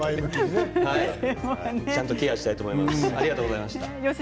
ちゃんとケアしたいと思います。